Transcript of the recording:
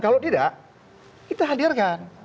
kalau tidak kita hadirkan